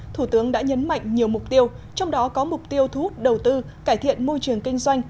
thủ tướng đã nhấn mạnh nhiều mục tiêu trong đó có mục tiêu thu hút đầu tư cải thiện môi trường kinh doanh